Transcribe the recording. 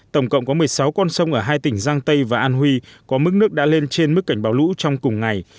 tổng cộng có một mươi sáu con sông ở hai tỉnh giang tây và an huy có mức nước đã lên trên mức cảnh báo lũ trong cùng ngày